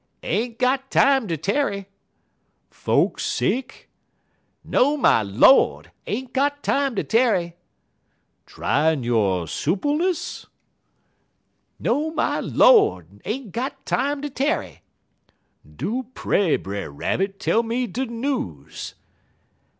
"'Ain't got time ter tarry.' "'Folks sick?' "'No, my Lord! Ain't got time ter tarry!' "'Tryin' yo' soopleness?' "'No, my Lord! Ain't got time ter tarry!' "'Do pray, Brer Rabbit, tell me de news!'